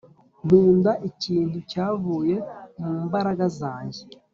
Nkunda ikintu cyavuye mu mbaraga zanjye